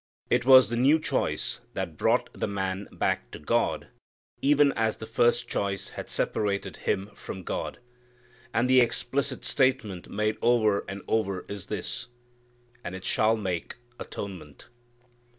It was the new choice that brought the man back to God, even as the first choice had separated him from God. And the explicit statement made over and over is this, "and it shall make atonement."